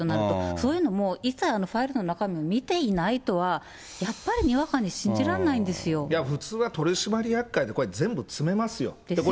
そういうのも一切ファイルの中を見ていないとは、やっぱりにわかいや、普通は取締役会でこれですよね。